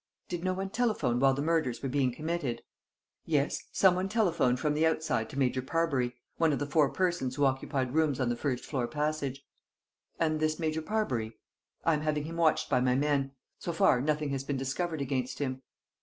"Did no one telephone while the murders were being committed?" "Yes, some one telephoned from the outside to Major Parbury, one of the four persons who occupied rooms on the first floor passage." "And this Major Parbury?" "I am having him watched by my men. So far, nothing has been discovered against him."